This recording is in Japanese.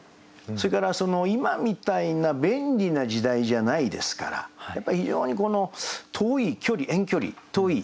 それから今みたいな便利な時代じゃないですからやっぱり非常に遠い距離遠距離遠い。